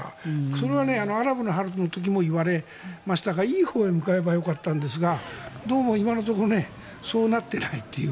それはアラブの春の時もいわれましたがいいほうへ向かえばよかったんですがどうも今のところそうなっていないという。